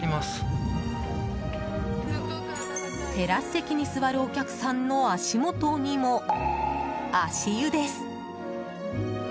テラス席に座るお客さんの足元にも、足湯です。